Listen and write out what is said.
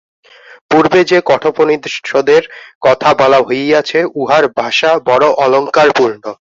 পূর্বে যে কঠোপনিষদের কথা বলা হইয়াছে, উহার ভাষা বড় অলঙ্কারপূর্ণ।